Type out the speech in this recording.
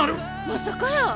まさかやー。